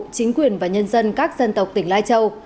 chính quyền và nhân dân các dân tộc tỉnh lai châu